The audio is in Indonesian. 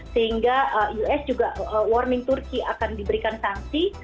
sehingga us juga warming turki akan diberikan sanksi